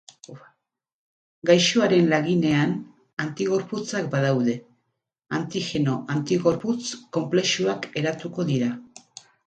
Gaixoaren laginean antigorputzak badaude, antigeno-antigorputz konplexuak eratuko dira.